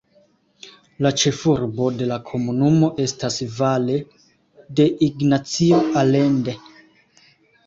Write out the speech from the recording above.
La ĉefurbo de la komunumo estas Valle de Ignacio Allende.